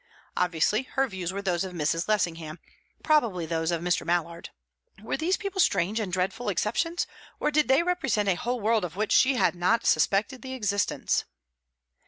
Obviously, her views were those of Mrs. Lessingham; probably those of Mr. Mallard. Were these people strange and dreadful exceptions, or did they represent a whole world of which she had not suspected the existence?